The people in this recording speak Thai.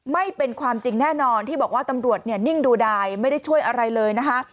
ไม่เป็นความจริงแน่นอนที่บอกว่าตำรวจเนี่ยนิ่งดูดายไม่ได้ช่วยอะไรเลยนะคะ